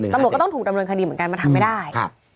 ตำรวจก็ต้องถูกดำเนินคดีเหมือนกันมันทำไม่ได้